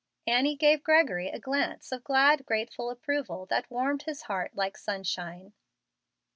Annie gave Gregory a glance of glad, grateful approval that warmed his heart like sunshine.